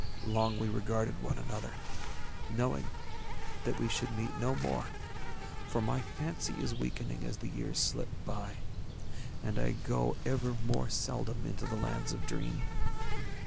Long we regarded one another, knowing that we should meet no more, for my fancy is weakening as the years slip by, and I go ever more seldom into the Lands of Dream.